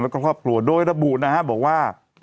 แล้วก็พลวงโดยระบุบอกว่า